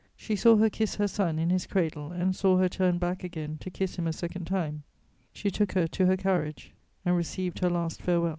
She saw her kiss her son in his cradle and saw her turn back again to kiss him a second time; she took her to her carriage, and received her last farewell.